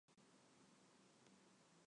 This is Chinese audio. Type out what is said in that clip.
可升级成为灵龟。